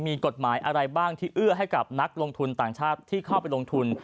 มีกฎหมายอะไรบ้างที่เอื้อให้กับนักลงทุนต่างชาติที่เข้าไปลงทุน